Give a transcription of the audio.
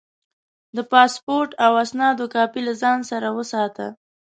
د پاسپورټ او اسنادو کاپي له ځان سره وساته.